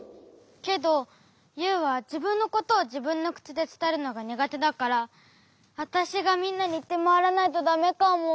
けどユウはじぶんのことをじぶんのくちでつたえるのがにがてだからわたしがみんなにいってまわらないとだめかも。